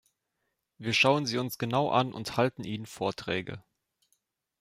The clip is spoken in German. Wir schauen sie uns genau an und halten ihnen Vorträge.